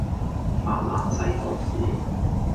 法蘭西多士